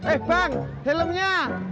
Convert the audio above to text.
eh bang helmnya